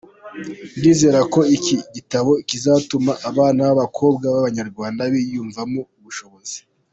Ndizera ko iki gitabo kizatuma abana b’abakobwa b’Abanyarwanda biyumvamo ubushobozi.